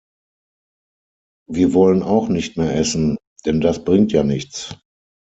Wir wollen auch nicht mehr essen, denn das bringt ja nichts.